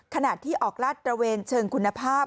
ขณะที่ออกลาดตระเวนเชิงคุณภาพ